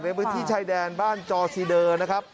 ในพื้นที่ชายแดนบ้านจอซีเดอร์นะครับ